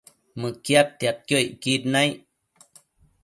Mëquiadtiadquio icquid naic